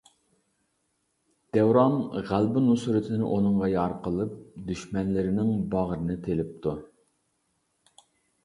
دەۋران غەلىبە نۇسرىتىنى ئۇنىڭغا يار قىلىپ، دۈشمەنلىرىنىڭ باغرىنى تىلىپتۇ.